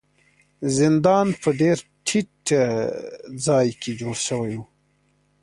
زندان په ډیر ټیټ ځای کې جوړ شوی و.